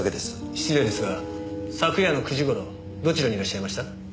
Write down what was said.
失礼ですが昨夜の９時頃どちらにいらっしゃいました？